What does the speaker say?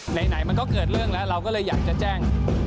ไหนมันก็เกิดเรื่องแล้วเราก็เลยอยากจะแจ้ง